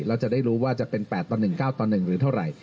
แล้วจะได้รู้ว่าจะเป็น๘ต่อ๑๙ต่อ๑หรือเท่าไหร่